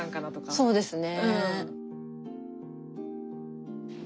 そうですね。